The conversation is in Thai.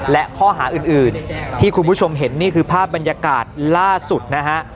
และข้อหาอื่นที่คุณผู้ชมเห็นนี่คือภาพบรรยากาศล่าสุดนะฮะ